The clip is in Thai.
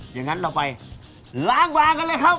อย่างนั้นเราไปล้างวางกันเลยครับ